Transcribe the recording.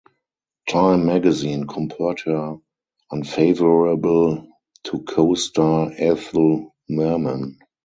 "Time magazine" compared her unfavorably to co-star Ethel Merman.